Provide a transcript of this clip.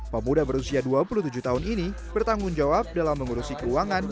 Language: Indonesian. pemuda berusia dua puluh tujuh tahun ini bertanggung jawab dalam mengurusi keuangan